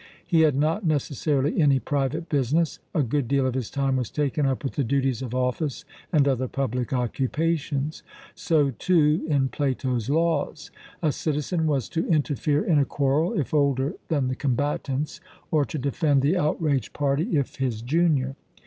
He had not necessarily any private business; a good deal of his time was taken up with the duties of office and other public occupations. So, too, in Plato's Laws. A citizen was to interfere in a quarrel, if older than the combatants, or to defend the outraged party, if his junior.